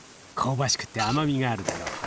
香ばしくて甘みがあるだろ？